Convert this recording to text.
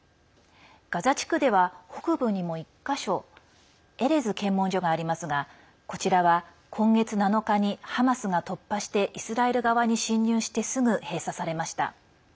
ガザ地区では、北部にも１か所エレズ検問所がありますがこちらは今月７日にハマスが突破してイスラエル側に侵入してすぐ閉鎖されました。